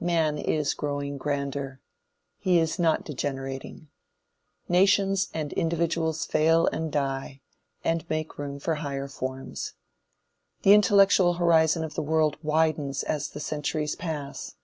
Man is growing grander. He is not degenerating. Nations and individuals fail and die, and make room for higher forms. The intellectual horizon of the world widens as the centuries pass.